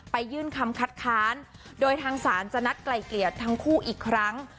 ยื่นคำคัดค้านโดยทางศาลจะนัดไกลเกลี่ยทั้งคู่อีกครั้ง